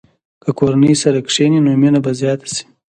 که کورنۍ سره کښېني، نو مینه به زیاته شي.